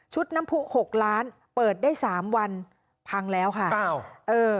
น้ำผู้หกล้านเปิดได้สามวันพังแล้วค่ะอ้าวเออ